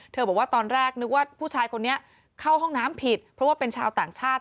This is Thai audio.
บอกว่าตอนแรกนึกว่าผู้ชายคนนี้เข้าห้องน้ำผิดเพราะว่าเป็นชาวต่างชาติ